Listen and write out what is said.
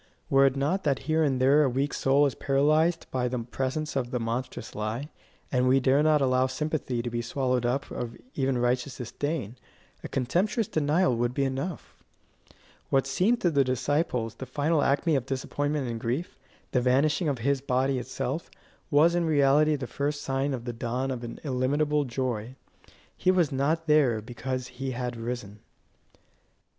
Were it not that here and there a weak soul is paralysed by the presence of the monstrous lie, and we dare not allow sympathy to be swallowed up of even righteous disdain, a contemptuous denial would be enough. What seemed to the disciples the final acme of disappointment and grief, the vanishing of his body itself, was in reality the first sign of the dawn of an illimitable joy. He was not there because he had risen.